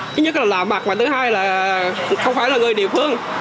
thứ nhất là lạ mặt và thứ hai là không phải là người địa phương